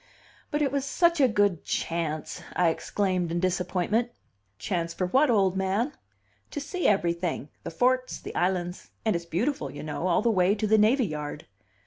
"But it was such a good chance!" I exclaimed in disappointment "Chance for what, old man?" "To see everything the forts, the islands and it's beautiful, you know, all the way to the navy yard."